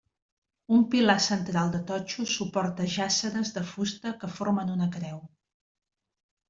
Un pilar central de totxo suporta jàsseres de fusta que formen una creu.